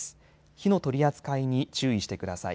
火の取り扱いに注意してください。